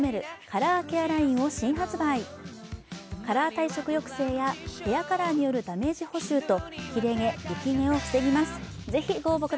カラー退色抑制や、ヘアカラーによるダメージ補修と切れ毛・浮き毛を防ぎます。